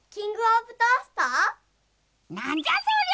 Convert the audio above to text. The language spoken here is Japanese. なんじゃそりゃ！